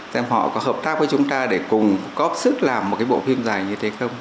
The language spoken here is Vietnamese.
xem họ có hợp tác với chúng ta để cùng cóp làm một cái bộ phim dài như thế không